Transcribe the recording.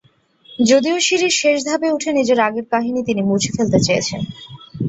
যদিও সিঁড়ির শেষ ধাপে উঠে নিজের আগের কাহিনী তিনি মুছে ফেলতে চেয়েছেন।